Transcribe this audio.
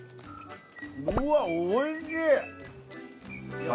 うわっおいしい！